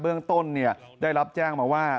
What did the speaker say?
เรื่องต้นได้รับแจ้งมาว่า